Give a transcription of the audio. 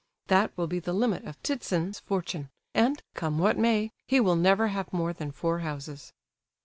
That will be the limit of Ptitsin's fortune, and, come what may, he will never have more than four houses.